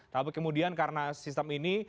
tapi kemudian karena sistem ini